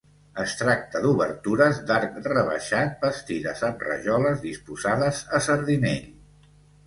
Es tracta d'obertures d'arc rebaixat, bastides amb rajoles disposades a sardinell.